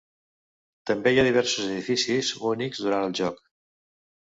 També hi ha diversos edificis únics durant el joc.